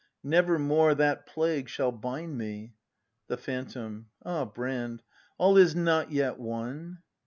Never more that plague shall bind me The Phantom. Ah, Brand, all is not yet won.